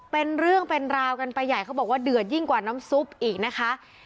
เป็นเรื่องเป็นราวกันไปใหญ่เขาบอกว่าเดือดยิ่งกว่าน้ำซุปอีกนะคะ